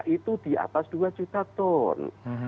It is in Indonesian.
itu di atas dua juta ton